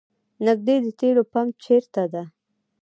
نیږدې د تیلو پمپ چېرته ده؟